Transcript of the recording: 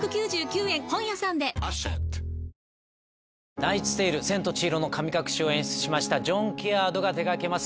『ナイツ・テイル』『千と千尋の神隠し』を演出しましたジョン・ケアードが手掛けます